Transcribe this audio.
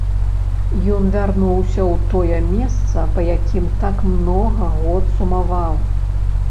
Ён вярнуўся ў тое месца, па якім так многа год сумаваў.